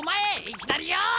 いきなりよ！